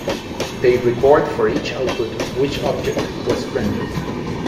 They record for each output which object was printed.